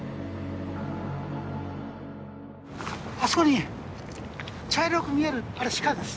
あそこに茶色く見えるあれシカです。